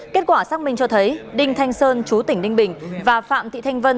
kết quả xác minh cho thấy đinh thanh sơn chú tỉnh ninh bình và phạm thị thanh vân